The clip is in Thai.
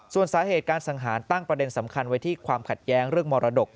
ส่วนสาเหตุการสังหารตั้งประเด็นสำคัญไว้ที่ความขัดแย้งเรื่องมรดก